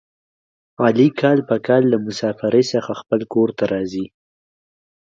علي کال په کال له مسافرۍ څخه خپل کورته راځي.